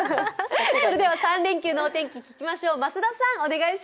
それでは３連休のお天気を聞きましょう。